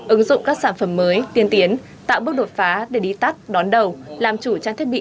ứng dụng các sản phẩm mới tiên tiến tạo bước đột phá để đi tắt đón đầu làm chủ trang thiết bị